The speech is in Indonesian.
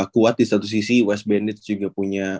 kuat di satu sisi wes bennett juga punya